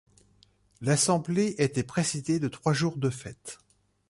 L'Assemblée était précédée de trois jours de fête.